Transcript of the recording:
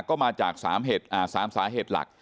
ก็มาจาก๓สาเหตุหลัก